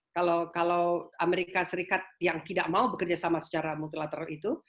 kalau amerika serikat yang tidak mau bekerja sama secara multilateral itu